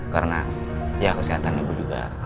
karena ya kesehatan ibu juga